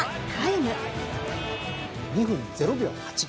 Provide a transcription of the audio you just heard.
２分０秒８。